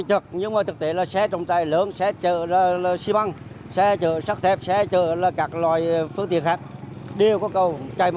cho nên giảm tốc độ